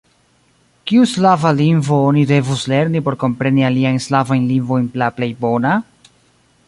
Kiu slava lingvo oni devus lerni por kompreni aliajn slavajn lingvojn la plej bona?